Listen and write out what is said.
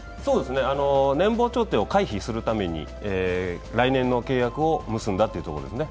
年俸調停を回避するために来年の契約を結んだということですね。